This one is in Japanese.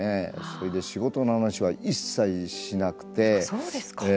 それで仕事の話は一切しなくてそうですか。